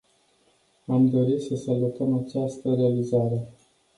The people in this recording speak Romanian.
Am dori să salutăm această realizare.